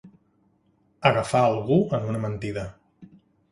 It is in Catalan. Agafar algú en una mentida.